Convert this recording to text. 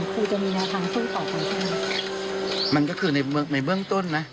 คุณจะมีแนวทางสู้ต่อไปใช่ไหมมันก็คือในเบื้องในเบื้องต้นนะ